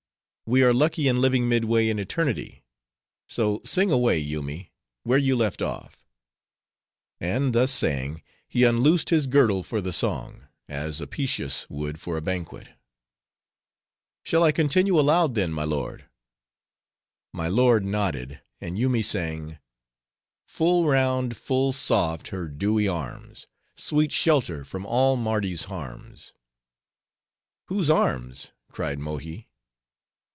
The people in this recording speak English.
"We are lucky in living midway in eternity. So sing away, Yoomy, where you left off," and thus saying he unloosed his girdle for the song, as Apicius would for a banquet. "Shall I continue aloud, then, my lord?" My lord nodded, and Yoomy sang:— "Full round, full soft, her dewy arms,— Sweet shelter from all Mardi's harms!" "Whose arms?" cried Mohi.